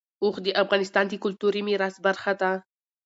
اوښ د افغانستان د کلتوري میراث برخه ده.